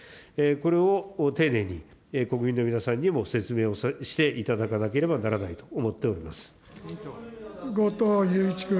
これを丁寧に国民の皆さんにも説明をしていただかなければならな後藤祐一君。